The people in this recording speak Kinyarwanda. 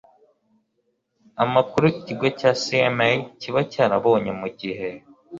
amakuru ikigo cma kiba cyarabonye mu gihe